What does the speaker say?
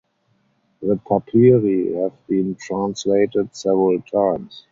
The papyri have been translated several times.